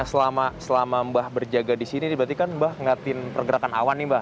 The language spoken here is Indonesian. nah selama mbah berjaga di sini berarti kan mbah ngeliatin pergerakan awan nih mbah